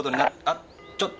あっちょっ！